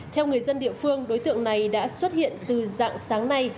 theo người dân địa phương đối tượng này đã xuất hiện từ dạng sáng nay